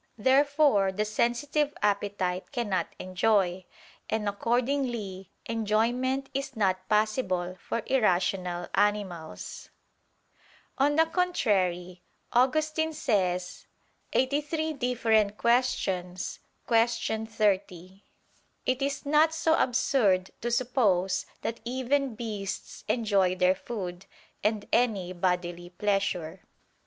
Therefore the sensitive appetite cannot enjoy: and accordingly enjoyment is not possible for irrational animals. On the contrary, Augustine says (QQ. 83, qu. 30): "It is not so absurd to suppose that even beasts enjoy their food and any bodily pleasure."